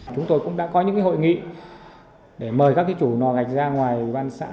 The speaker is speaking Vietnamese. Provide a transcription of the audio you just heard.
chúng tôi cũng đã có những hội nghị để mời các chủ lò gạch ra ngoài ban xã